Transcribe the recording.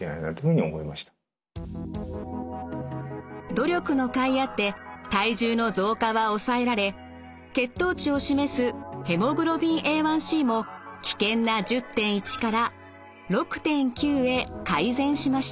努力のかいあって体重の増加は抑えられ血糖値を示すＨｂＡ１ｃも危険な１０．１から６．９へ改善しました。